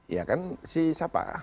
ya kan si siapa